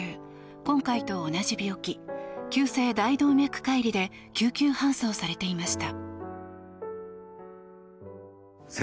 今回と同じ病気急性大動脈解離で救急搬送されていました。